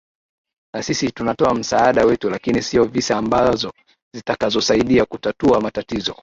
na sisi tunatoa msaada wetu lakini sio viza ambazo zitakazo saidia kutatua matatizo